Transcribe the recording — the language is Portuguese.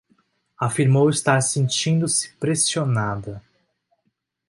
Afirmou estar sentindo-se pressionada